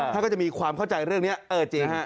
ก็จะมีความเข้าใจเรื่องนี้เออจริงฮะ